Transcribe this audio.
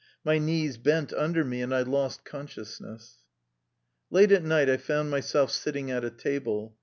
My knees bent under me, and I lost con sciousness. Late at night I found myself sitting at a table.